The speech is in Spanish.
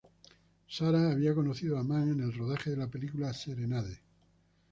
Sara había conocido a Mann en el rodaje de la película "Serenade".